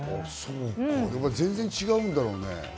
全然違うんだろうね。